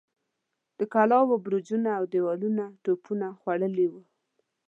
د کلاوو برجونه اودېوالونه توپونو خوړلي ول.